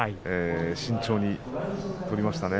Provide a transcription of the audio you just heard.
慎重に取りましたね。